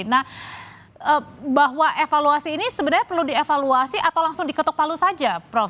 nah bahwa evaluasi ini sebenarnya perlu dievaluasi atau langsung diketuk palu saja prof